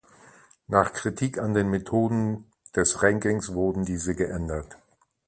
Nach Kritik an den Methoden des Rankings wurden diese geändert.